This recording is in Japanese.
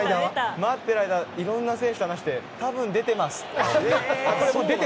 待ってる間はいろんな選手と話して多分出てますって。